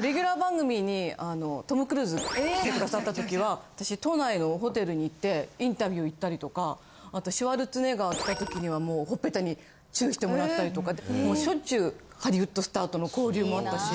レギュラー番組にトム・クルーズが来てくださったときは私都内のホテルに行ってインタビュー行ったりとかあとシュワルツェネッガー来たときにはほっぺたにチューしてもらったりとかしょっちゅうハリウッドスターとの交流もあったし。